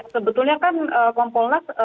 sebetulnya kan kompolnas